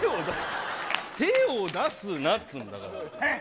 手を出すなっつうの、だから。